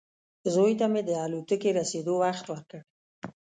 زوی ته مې د الوتکې رسېدو وخت ورکړ.